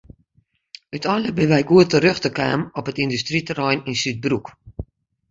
Uteinlik binne wy goed terjochte kaam op it yndustryterrein yn Súdbroek.